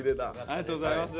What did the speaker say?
ありがとうございます。